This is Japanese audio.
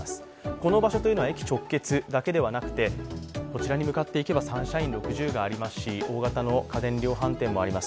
この場所というのは駅直結だけではなくて、こちらに向かっていけばサンシャイン６０がありますし大型の家電量販店もあります。